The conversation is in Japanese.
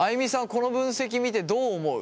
この分析を見てどう思う？